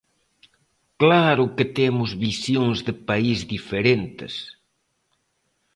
¡Claro que temos visións de país diferentes!